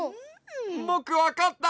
ぼくわかった！